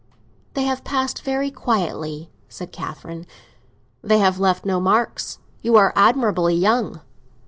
"They have passed very quietly," said Catherine. "They have left no marks; you are admirably young."